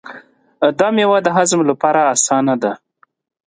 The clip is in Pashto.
دا مېوه د هضم لپاره اسانه ده.